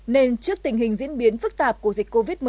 nên trước tình hình diễn biến phức tạp của dịch covid một mươi chín